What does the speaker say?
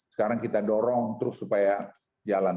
sekarang kita dorong terus supaya jalan